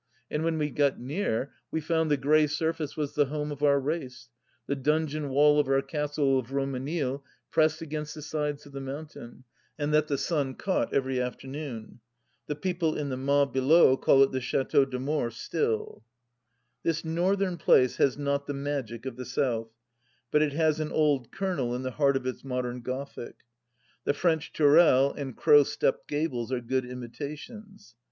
... And when we got near we found the grey surface was the home of our race, the donjon wall of our castle of Romanille pressed against the sides of the mountain, and that the sun caught every afternoon. The people in the mas below called it the Chateau d'Amour still. ... This Northern place has not the magic of the South, but it has an old kernel in the heart of its modern Gothic. The French tourelles and crow stepped gables are good imita tions.